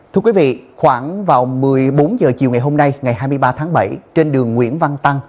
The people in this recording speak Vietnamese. thưa quý vị khoảng vào một mươi bốn h chiều ngày hôm nay ngày hai mươi ba tháng bảy trên đường nguyễn văn tăng